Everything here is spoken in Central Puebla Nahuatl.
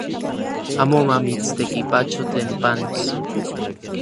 Amo mamitstekipacho tlen panos